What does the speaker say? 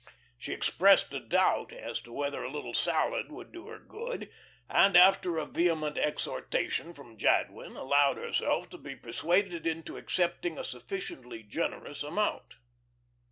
She expressed a doubt as to whether a little salad would do her good, and after a vehement exhortation from Jadwin, allowed herself to be persuaded into accepting a sufficiently generous amount.